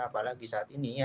apalagi saat ini ya